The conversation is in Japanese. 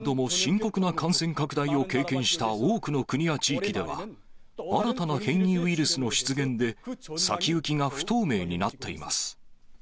何度も深刻な感染拡大を経験した多くの国や地域では、新たな変異ウイルスの出現で、先行きが不透明になっています。